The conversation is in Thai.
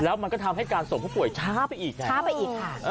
แล้วมันก็ทำให้การสงพบกันป่วยช้าไปอีก